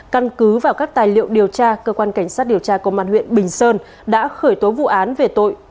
căn cứ vào các tài liệu điều tra cơ quan cảnh sát điều tra công an huyện bình sơn đã khởi tố vụ án về tội